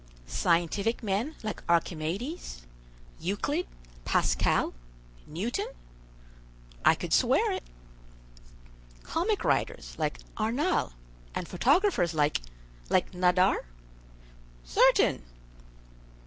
"Scientific men like Archimedes, Euclid, Pascal, Newton?" "I could swear it." "Comic writers like Arnal, and photographers like—like Nadar?" "Certain."